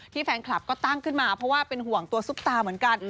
แฟนคลับก็ตั้งขึ้นมาเพราะว่าเป็นห่วงตัวซุปตาเหมือนกัน